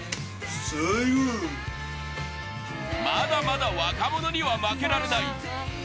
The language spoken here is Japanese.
まだまだ若者には負けられない。